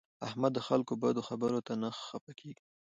احمد د خلکو بدو خبرو ته نه خپه کېږي.